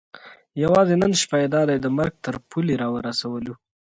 یوازې نن شپه یې دا دی د مرګ تر پولې را ورسولو.